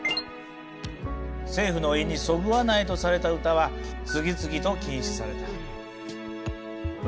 政府の意にそぐわないとされた歌は次々と禁止された。